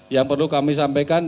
yang perlu kami sampaikan